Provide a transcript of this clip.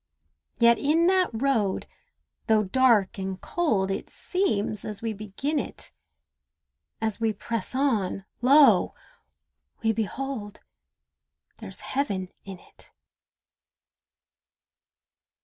Yet in that road, though dark and cold, It seems as we begin it, As we press on—lo! we behold There's Heaven in it.